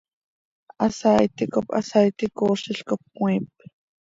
Hasaaiti cop hasaaiti coozlil cop cömiip.